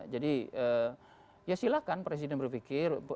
jadi ya silakan presiden berpikir